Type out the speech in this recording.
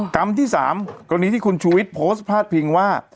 กรรมที่สามกรณีที่คุณชุวิตโพสต์ภาษณ์พิงว่า